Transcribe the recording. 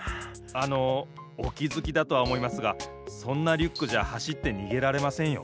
あのおきづきだとはおもいますがそんなリュックじゃはしってにげられませんよ。